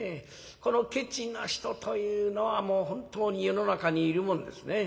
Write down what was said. このケチな人というのは本当に世の中にいるもんですね。